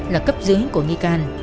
là cấp dưới của nghi can